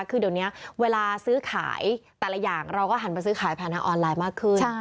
คือเดี๋ยวนี้เวลาซื้อขายแต่ละอย่างเราก็หันไปซื้อขายผ่านทางออนไลน์มากขึ้น